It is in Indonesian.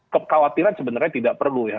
kekhawatiran sebenarnya tidak perlu ya